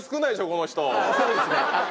この人そうですね